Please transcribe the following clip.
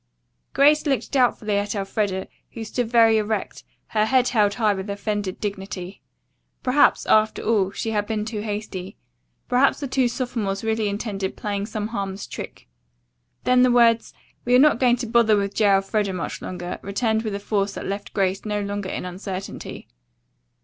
Grace looked doubtfully at Elfreda, who stood very erect, her head held high with offended dignity. Perhaps, after all, she had been too hasty. Perhaps the two sophomores really intended playing some harmless trick. Then the words, "We are not going to bother with J. Elfreda much longer," returned with a force that left Grace no longer in uncertainty.